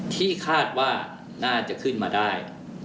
ที่คาดว่าน่าจะขึ้นมาได้